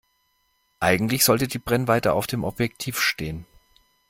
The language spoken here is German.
Eigentlich sollte die Brennweite auf dem Objektiv stehen.